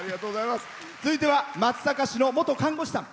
続いては松阪市の元看護師さん。